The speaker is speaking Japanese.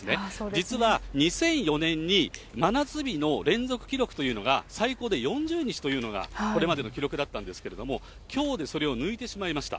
実は２００４年に真夏日の連続記録というのが、最高で４０日というのが、これまでの記録だったんですけれども、きょうでそれを抜いてしまいました。